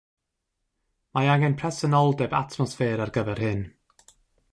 Mae angen presenoldeb atmosffer ar gyfer hyn.